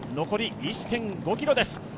残り１．５ｋｍです。